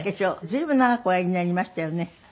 随分長くおやりになりましたよね。